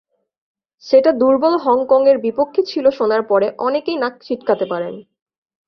সেটা দুর্বল হংকংয়ের বিপক্ষে ছিল শোনার পরে অনেকেই নাক সিঁটকাতে পারেন।